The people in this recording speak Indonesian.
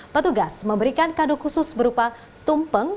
petugas memberikan kado khusus berupa tumpeng